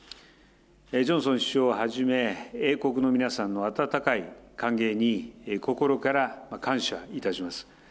ジョンソン首相をはじめ、英国の皆さんの温かい歓迎に心から感謝いたします。